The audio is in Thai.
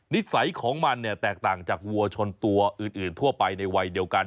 นิสัยของมันเนี่ยแตกต่างจากวัวชนตัวอื่นทั่วไปในวัยเดียวกัน